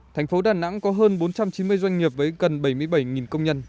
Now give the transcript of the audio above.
thành phố đà nẵng có hơn bốn trăm chín mươi doanh nghiệp với gần bảy mươi bảy công nhân